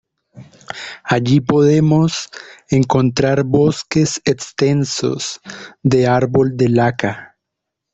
Allí podemos encontrar bosques extensos de árbol de laca.